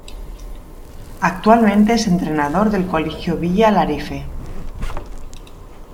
Actualmente es entrenador del colegio Villa Alarife.